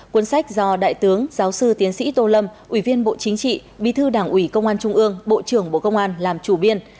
cuốn sách do đại tướng giáo sư tiến sĩ tô lâm ủy viên bộ chính trị bí thư đảng ủy công an trung ương bộ trưởng bộ công an làm chủ biên